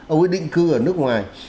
ông ấy định cư ở nước ngoài